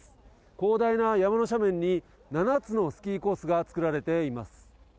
広大な山の斜面に、７つのスキーコースが造られています。